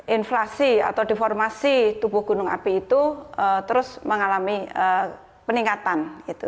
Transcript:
inflasi atau deformasi tubuh gunung api itu terus mengalami peningkatan